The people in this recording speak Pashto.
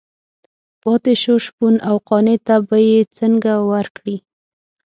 پاتې شو شپون او قانع ته به یې څنګه ورکړي.